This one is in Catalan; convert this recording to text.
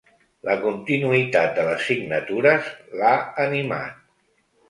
La continuïtat de les signatures l'ha animat.